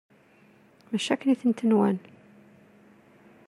Mačči akken i tt-nwan.